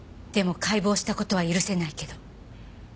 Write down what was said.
でも解剖した事は許せないけど。